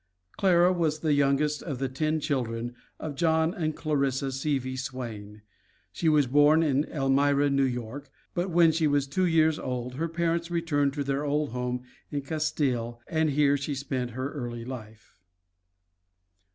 Clara was the youngest of the ten children of John and Clarissa Seavey Swain. She was born in Elmira, N.Y., but when she was two years old her parents returned to their old home in Castile and here she spent her early life.